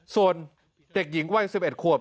ส่วนเด็กหญิงวัย๑๑ขวบ